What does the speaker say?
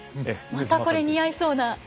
またこれ似合いそうな。